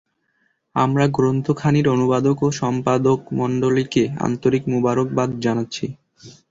আমরা গ্রন্থখানির অনুবাদক ও সম্পাদকমণ্ডলীকে আন্তরিক মুবারকবাদ জানাচ্ছি।